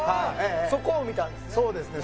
そこを見たんですね。